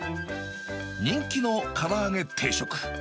人気のから揚げ定食。